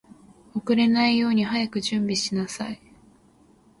遅れないように早く準備しなさい